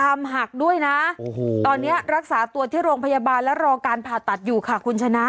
หักด้วยนะโอ้โหตอนนี้รักษาตัวที่โรงพยาบาลและรอการผ่าตัดอยู่ค่ะคุณชนะ